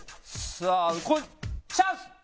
さあこれチャンス！